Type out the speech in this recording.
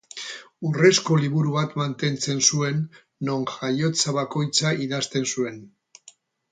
Urrezko liburu bat mantentzen zuen, non jaiotza bakoitza idazten zuen.